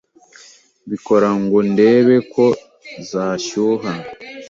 Mbikora ngo ndebe ko zashyuha